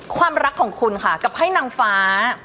ความรักของคุณค่ะกับไพ่นางฟ้า